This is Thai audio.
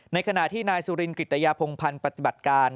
ในขณะที่นายสุรินร์ภ์กิจยภงพันธ์ปฏิบัติการ